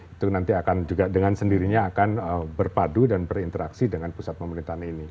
itu nanti akan juga dengan sendirinya akan berpadu dan berinteraksi dengan pusat pemerintahan ini